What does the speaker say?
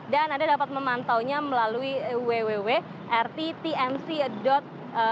dan anda dapat memantaunya melalui www rti com